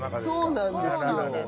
そうなんですよ。